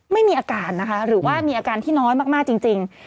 ไม่มีอาการนะคะหรือว่ามีอาการที่น้อยมากจริง